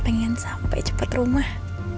pengen sampai cepat rumah